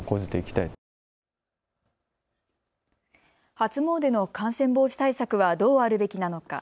初詣の感染防止対策はどうあるべきなのか。